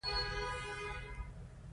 په هغه وخت کې مبادله د توکو په ډول کېدله